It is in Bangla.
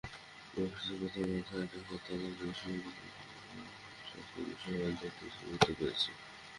ভবিষ্যতের কথা মাথায় রেখে তাঁদের দৃষ্টান্তমূলক শাস্তির বিষয়টি আদালতের কাছে গুরুত্ব পেয়েছে।